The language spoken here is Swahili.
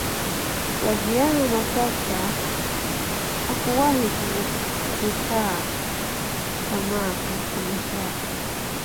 flaviana matata hakuwahi kutaa tamaa katika maisha yake